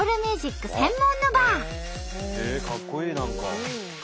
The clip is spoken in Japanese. かっこいい何か。